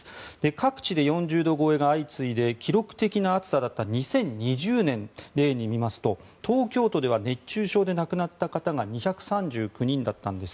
各地で４０度超えが相次いで記録的な暑さだった２０２０年を例に見ますと東京都では熱中症で亡くなった方が２３９人だったんです。